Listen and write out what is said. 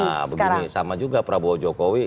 nah begini sama juga prabowo jokowi